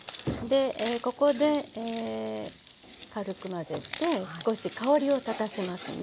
ここで軽く混ぜて少し香りを立たせますね。